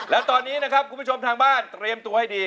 และตอนนี้นะครับคุณผู้ชมทางบ้านเตรียมตัวให้ดี